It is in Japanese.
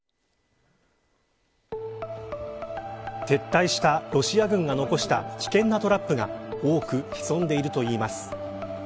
撤退したロシア軍が残した危険なトラップが多く潜んでいるといいます。